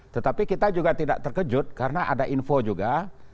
tetapi kita juga tidak terkejut karena ada info juga